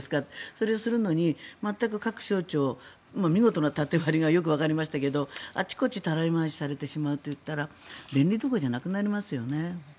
それをするのに全く各省庁、見事な縦割りがよくわかりましたけどあちこちたらい回しされていたら便利どころじゃなくなりますよね。